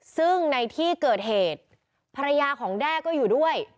ซึ่งในที่เกิดเหตุภรรยาของแด้ก็อยู่ด้วย